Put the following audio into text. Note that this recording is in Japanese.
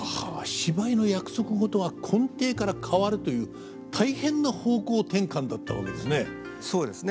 芝居の約束事が根底から変わるという大変な方向転換だったわけですね。